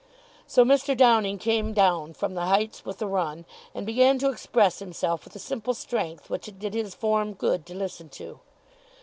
So Mr. Downing came down from the heights with a run, and began to express himself with a simple strength which it did his form good to listen to.